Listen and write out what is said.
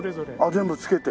全部つけて。